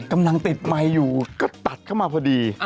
กำลังติดไมค์อยู่ก็ตัดเข้ามาพอดี